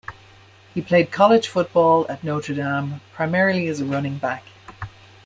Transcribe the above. He played college football at Notre Dame, primarily as a running back.